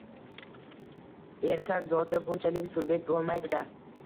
Erkak zoti bunchalik surbet bo‘lmaydi-da!